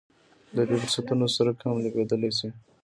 د لویو فرصتونو څرک هم لګېدلی شي.